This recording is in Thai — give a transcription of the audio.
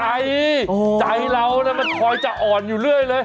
ใจใจเราเนาะมันคอยจะอ่อนอยู่เรื่อย